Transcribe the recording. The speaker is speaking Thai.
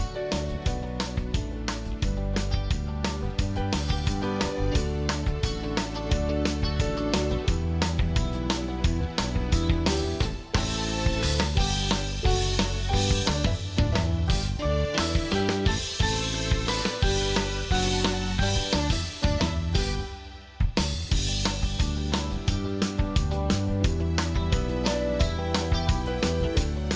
โปรดติดตามตอนต่อไป